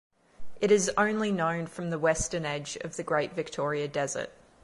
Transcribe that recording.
It is only known from the western edge of the Great Victoria Desert.